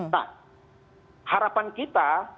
nah harapan kita